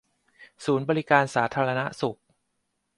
ศูนย์บริการสาธารณสุข